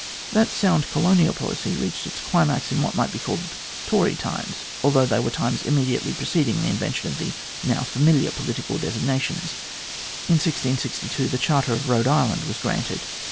That sound colonial policy reached its climax in what might be called Tory times, although they were times immedi ately preceding the invention of the now familiar political designations. In 1662 the Charter of Ehode Island was granted.